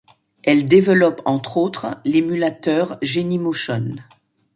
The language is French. Elle développe entre autres l’émulateur Genymotion.